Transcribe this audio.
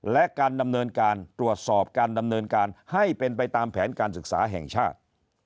และการดำเนินการตรวจสอบการดำเนินการให้เป็นไปตามแผนการศึกษาแห่งชาติ